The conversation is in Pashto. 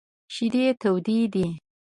شیدې تودې دي !